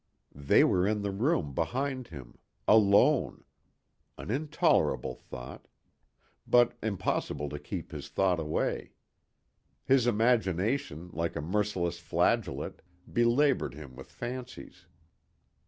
... They were in the room behind him. Alone. An intolerable thought. But, impossible to keep his thought away. His imagination like a merciless flagellate, belabored him with fancies.